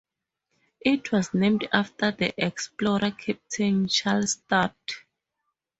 It was named after the explorer Captain Charles Sturt.